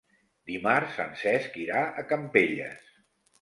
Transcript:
Dimarts en Cesc irà a Campelles.